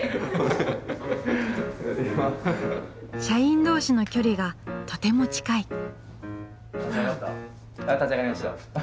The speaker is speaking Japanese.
社員同士の距離がとても近い。